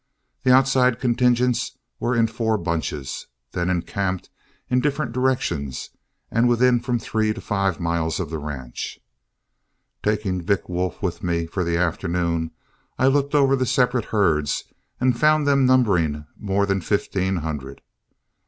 The outside contingents were in four bunches, then encamped in different directions and within from three to five miles of the ranch. Taking Vick Wolf with me for the afternoon, I looked over the separate herds and found them numbering more than fifteen hundred.